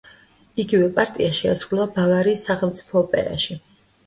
იგივე პარტია შეასრულა ბავარიის სახელმწიფო ოპერაში.